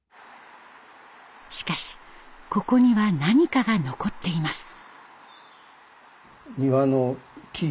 しかしここには何かが残っています。